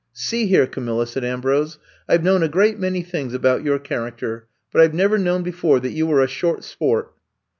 '' See here, Camilla,*' said Ambrose^ I Ve known a great many things about your character, but I We never known be fore that you were a short sport.'